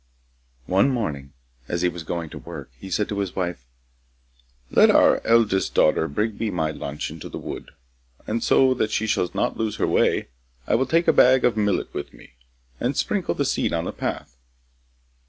One morning as he was going to his work, he said to his wife, 'Let our eldest daughter bring me my lunch into the wood; and so that she shall not lose her way, I will take a bag of millet with me, and sprinkle the seed on the path.